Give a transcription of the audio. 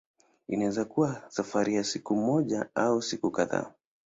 Inaweza kuwa safari ya siku moja au siku kadhaa.